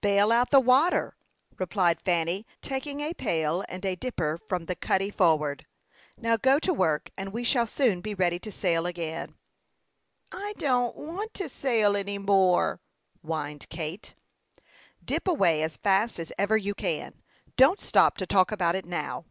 "Bale out the water," replied Fanny, taking a pail and a dipper from the cuddy forward. "Now go to work, and we shall soon be ready to sail again." "I don't want to sail any more," whined Kate. "Dip away as fast as ever you can. Don't stop to talk about it now."